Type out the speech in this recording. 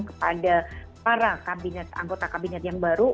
kepada para kabinet anggota kabinet yang baru